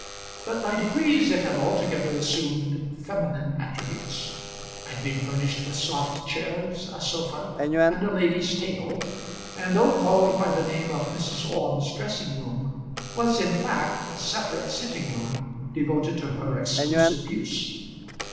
But by degrees it had altogether assumed feminine attributes; had been furnished with soft chairs, a sofa, and a lady's table; and though called by the name of Mrs. Orme's dressing room, was in fact a separate sitting room devoted to her exclusive use.